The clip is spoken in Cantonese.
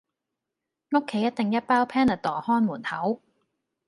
屋企一定一包 Panadol 看門口